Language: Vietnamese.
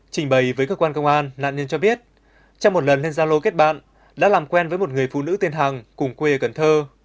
trình bày với cơ quan công an nạn nhân cho biết trong một lần lên gia lô kết bạn đã làm quen với một người phụ nữ tên hàng cùng quê ở cần thơ